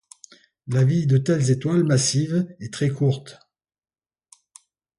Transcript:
La vie de telles étoiles massives est très courte.